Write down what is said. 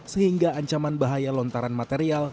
sehingga ancaman bahaya lontaran material